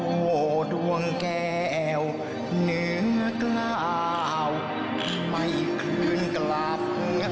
โอ้โหดวงแก้วเหนือกล้าวไม่คืนกลับ